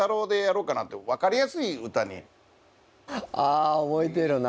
あ覚えてるな。